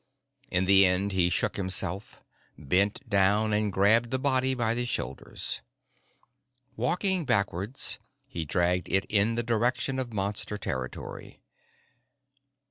In the end, he shook himself, bent down and grabbed the body by the shoulders. Walking backwards, he dragged it in the direction of Monster territory.